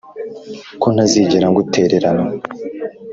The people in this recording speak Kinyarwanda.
ko ntazigera ngutererana